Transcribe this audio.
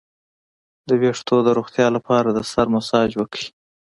د ویښتو د روغتیا لپاره د سر مساج وکړئ